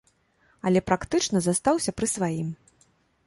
Але практычна застаўся пры сваім.